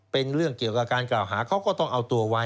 เป็นเรื่องเกี่ยวกับการกล่าวหาเขาก็ต้องเอาตัวไว้